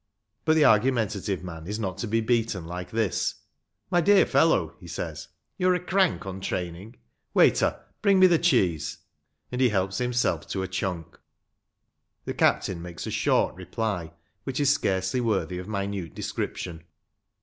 But the argumentative man is not to be beaten like this, " My dear fellow," he says, " you are a crank on training. Waiter, bring me the cheese," and he helps himself to a chunk. The captain makes a short reply, which is scarcely worthy of minute description.